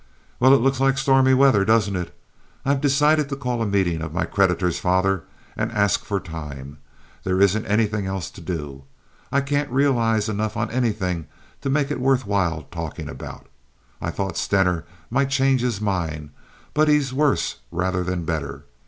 "Well, it looks like stormy weather, doesn't it? I've decided to call a meeting of my creditors, father, and ask for time. There isn't anything else to do. I can't realize enough on anything to make it worth while talking about. I thought Stener might change his mind, but he's worse rather than better.